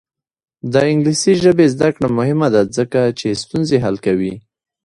د انګلیسي ژبې زده کړه مهمه ده ځکه چې ستونزې حل کوي.